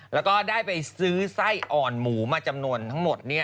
แล้วก็ได้ไปซื้อไส้อ่อนหมูมาจำนวนทั้งหมด